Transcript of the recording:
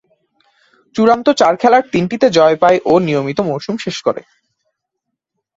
চূড়ান্ত চার খেলার তিনটিতে জয় পায় ও নিয়মিত মৌসুম শেষ করে।